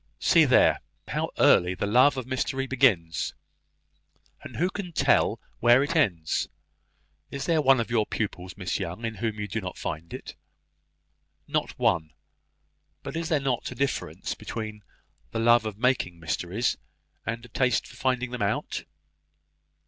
See there, how early the love of mystery begins! and who can tell where it ends? Is there one of your pupils, Miss Young, in whom you do not find it?" "Not one; but is there not a wide difference between the love of making mysteries, and a taste for finding them out?"